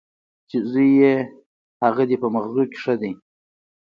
چې زوی یې هغه دی په مغزو کې ښه دی.